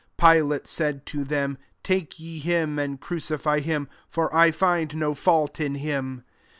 Pilati said to them, '' Take ye him and crucify him : for I find nc fault in him."